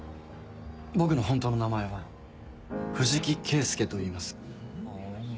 僕の本当の名前は藤木圭介といいます。